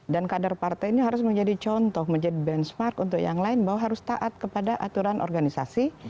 dan kader partai ini harus menjadi contoh menjadi benchmark untuk yang lain bahwa harus taat kepada aturan organisasi